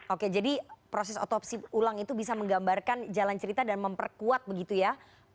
oke jadi proses otopsi ulang itu bisa menggambarkan jalan cerita dan memperkuat begitu ya